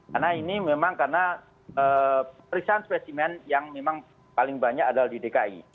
karena ini memang karena perisian spesimen yang memang paling banyak adalah di dki